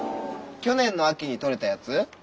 去年の秋にとれたやつ？